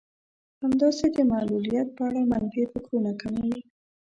همداسې د معلوليت په اړه منفي فکرونه کموي.